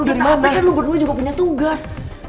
tapi kan lu berdua juga punya tugas